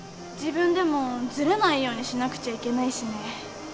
自分でもずれないようにしなくちゃいけないしね。